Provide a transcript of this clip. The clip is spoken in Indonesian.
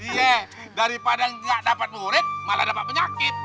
iya daripada nggak dapat murid malah dapat penyakit